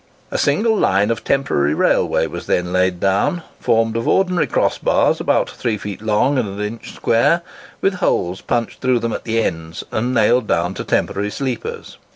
A single line of temporary railway was then laid down, formed of ordinary cross bars about 3 feet long and an inch square, with holes punched through them at the ends and nailed down to temporary sleepers.